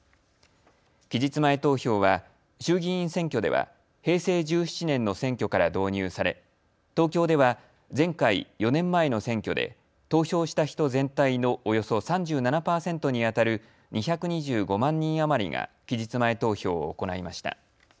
期日前投票は衆議院選挙では平成１７年の選挙から導入され東京では前回４年前の選挙で投票した人全体のおよそ３７％にあたる２２５万人余りが期日前投票を行いました。